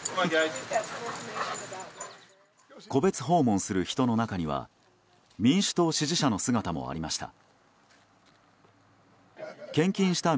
戸別訪問する人の中には民主党支持者の姿もありました。